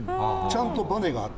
ちゃんとバネがあって。